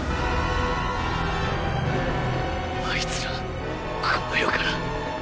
あいつらこの世から。